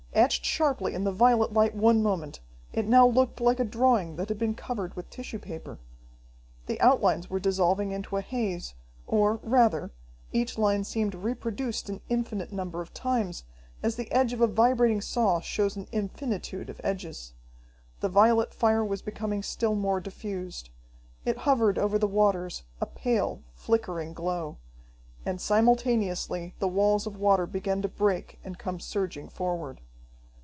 Etched sharply in the violet light one moment, it now looked like a drawing that had been covered with tissue paper. The outlines were dissolving into a haze or, rather, each line seemed reproduced an infinite number of times, as the edge of a vibrating saw shows an infinitude of edges. The violet fire was becoming still more diffused. It hovered over the waters, a pale, flickering glow. And simultaneously the walls of water began to break and come surging forward.